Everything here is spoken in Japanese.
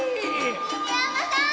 犬山さん！